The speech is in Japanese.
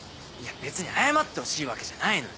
別に謝ってほしいわけじゃないのよ。